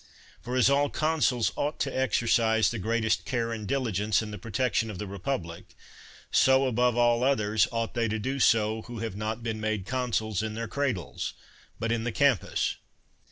For, as all consuls ought to exercise the greatest care and diligence in the protection of the republic, so, above all others, ought they to do so who have not been made consuls in their cradles, but in the Campus.